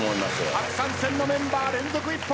初参戦のメンバー連続一本！